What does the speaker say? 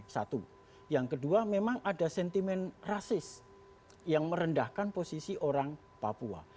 satu yang kedua memang ada sentimen rasis yang merendahkan posisi orang papua